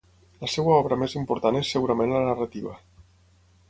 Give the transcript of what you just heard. La seva obra més important és segurament la narrativa.